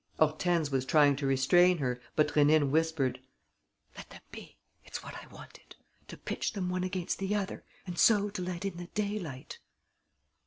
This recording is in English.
Hortense was trying to restrain her, but Rénine whispered: "Let them be. It's what I wanted ... to pitch them one against the other and so to let in the day light."